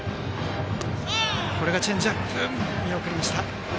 チェンジアップを見送りました。